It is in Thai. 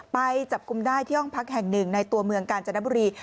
ไปจับกลุ่มได้ที่ห้องพักแห่งหนึ่งในตัวเมืองกาญจนบุรี